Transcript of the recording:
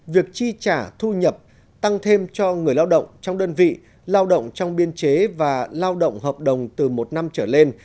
việc chi trả thu nhập tăng thêm cho người lao động trong đơn vị lao động trong biên chế và lao động hợp đồng từ một năm trở lên